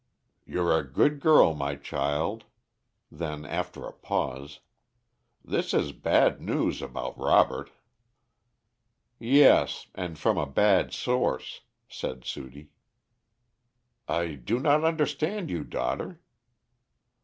"You're a good girl, my child." Then, after a pause, "This is bad news about Robert." "Yes; and from a bad source," said Sudie. "I do not understand you, daughter."